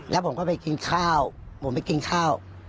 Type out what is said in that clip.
แล้วผมก็ไปกินข้าวผมไปกินข้าว